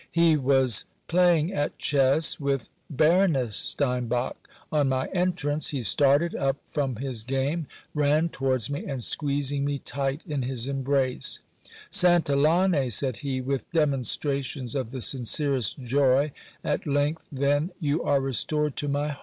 He was playing at chess with Baroness Steinbach. On my entrance, he started up from his game, ran i owards me, and squeezing me tight in his embrace : Santillane, said he, with demonstrations of the sincerest joy, at length, then, you are restored to my lean.